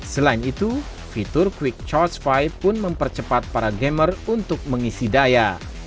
selain itu fitur quick charge vibe pun mempercepat para gamer untuk mengisi daya